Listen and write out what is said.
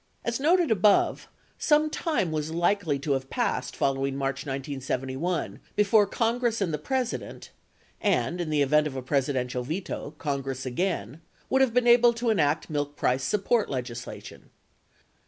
As noted above, some time was likely to have passed following March 1971 before Congress and the President (and, in the event of a Presi dential veto. Congress again) would have been able to enact milk price support legislation.